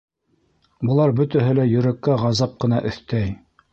Былар бөтәһе лә йөрәккә ғазап ҡына өҫтәй.